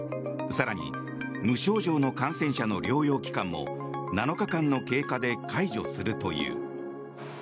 更に無症状の感染者の療養期間も７日間の経過で解除するという。